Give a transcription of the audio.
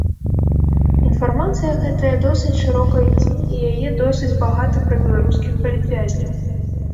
Інфармацыя гэтая досыць шырока ідзе і яе досыць багата пра беларускіх палітвязняў.